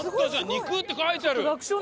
「肉」って書いてある！